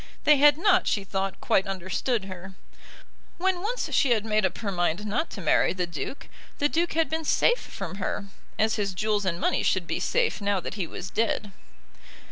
They had not, she thought, quite understood her. When once she had made up her mind not to marry the Duke, the Duke had been safe from her; as his jewels and money should be safe now that he was dead.